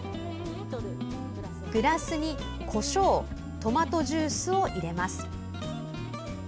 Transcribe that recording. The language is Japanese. グラスに、こしょうトマトジュースを入れます。